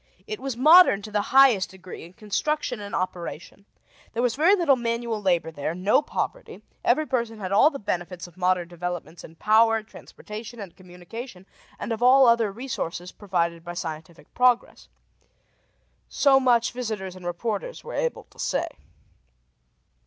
It was modern to the highest degree in construction and operation; there was very little manual labor there; no poverty; every person had all the benefits of modern developments in power, transportation, and communication, and of all other resources provided by scientific progress. So much, visitors and reporters were able to say.